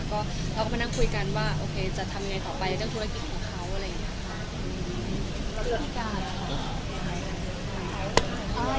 ก็เราก็มานั่งคุยกันว่าโอเคจะทำยังไงต่อไปเรื่องธุรกิจของเขาอะไรอย่างนี้ค่ะ